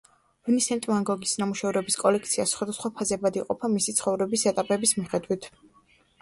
ვინსენტ ვან გოგის ნამუშევრების კოლექცია სხვადასხვა ფაზებად იყოფა მისი ცხოვრების ეტაპების მიხედვით.